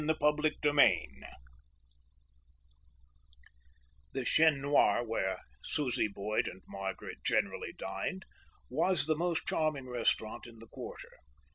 Chapter III The Chien Noir, where Susie Boyd and Margaret generally dined, was the most charming restaurant in the quarter.